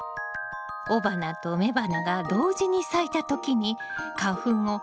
雄花と雌花が同時に咲いた時に花粉を運んでくれたのね。